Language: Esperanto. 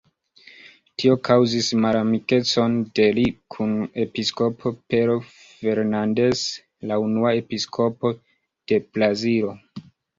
Tio kaŭzis malamikecon de li kun episkopo Pero Fernandes, la unua episkopo de Brazilo.